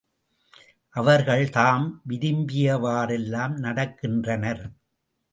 அவர்கள் தாம் விரும்பியவாறெல்லாம் நடக்கின்றனர்.